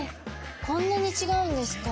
こんなに違うんですか？